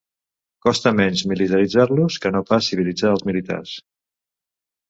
Costa menys militaritzar-los que no pas civilitzar els militars.